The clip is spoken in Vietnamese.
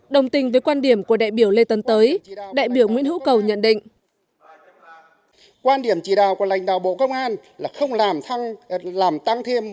đồng tin việt nam